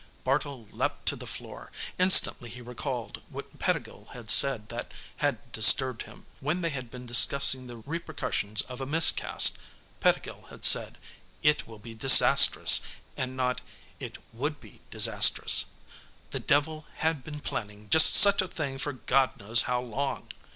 Bartle leaped to the floor. Instantly he recalled what Pettigill had said that had disturbed him. When they had been discussing the repercussions of a miscast, Pettigill had said, "it will be disastrous" and not "it would be disastrous." The devil had been planning just such a thing for God knows how long!